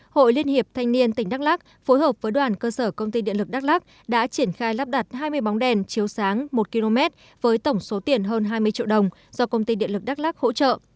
hội liên hiệp thanh niên tỉnh đắk lắc phối hợp với đoàn cơ sở công ty điện lực đắk lắc đã triển khai lắp đặt hai mươi bóng đèn chiếu sáng một km với tổng số tiền hơn hai mươi triệu đồng do công ty điện lực đắk lắc hỗ trợ